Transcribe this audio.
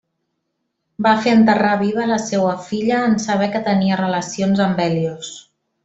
Va fer enterrar viva la seua filla en saber que tenia relacions amb Hèlios.